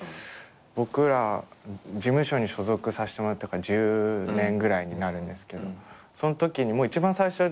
僕ら事務所に所属させてもらってから１０年ぐらいになるんですけどそのときに一番最初たぶん洸平君も入ってて。